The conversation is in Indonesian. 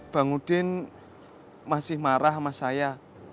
bang udin masih marah sama saya